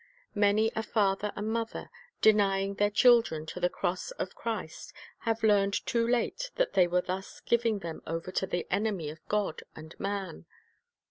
Many a father and mother, denying their children to the cross of Christ, have learned too late that they were thus giving them over to the enemy of God and man.